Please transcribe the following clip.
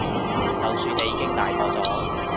就算你已經大個咗